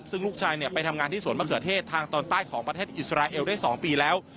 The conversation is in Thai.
ซึ่งลูกชายไปทำงานที่สวนมะเขือเทศทางตอนใต้ของประเทศอิสราเอลได้๒ปีแล้ว